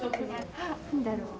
・はっ何だろう？